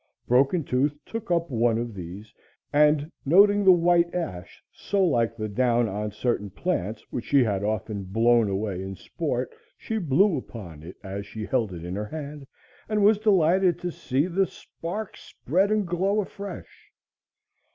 Broken Tooth took up one of these and, noting the white ash so like the down on certain plants which she had often blown away in sport, she blew upon it as she held it in her hand, and was delighted to see the spark spread and glow afresh.